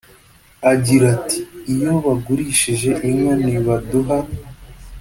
Agira ati “Iyo bagurishije inka ntibaduha